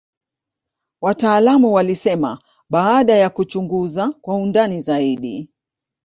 wataalamu walisema baada ya kuchunguza kwa undani zaidi